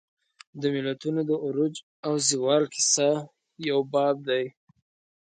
د ملتونو د عروج او زوال کیسه یو باب لري.